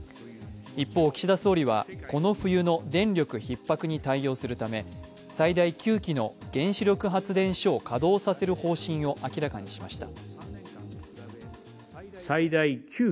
一方、岸田総理は、この冬の電力ひっ迫に対応するため最大９基の原子力発電所を稼働させる方針を明らかにしました。